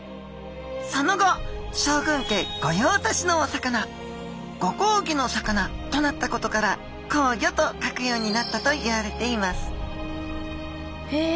その後将軍家ごようたしのお魚「御公儀の魚」となったことから「公魚」と書くようになったといわれていますへえ！